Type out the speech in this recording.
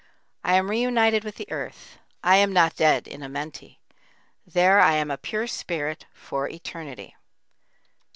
I am reunited with the earth, I am not dead in Amenti. There I am a pure spirit for eternity.